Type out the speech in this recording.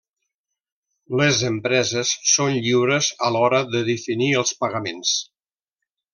Les empreses són lliures a l'hora de definir els pagaments.